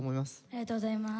ありがとうございます。